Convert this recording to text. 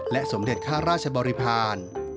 สมเด็จข้าราชบริพาณ